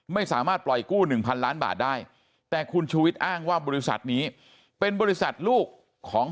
ไม่สามารถปล่อยกู้๑๐๐ล้านบาทได้แต่คุณชูวิทย์อ้างว่าบริษัทนี้เป็นบริษัทลูกของ